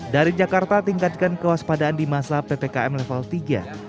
dari jakarta tingkatkan kewaspadaan di masa ppkm level satu dan dua